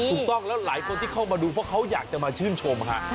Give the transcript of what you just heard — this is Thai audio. ถูกต้องแล้วหลายคนที่เข้ามาดูเพราะเขาอยากจะมาชื่นชมฮะ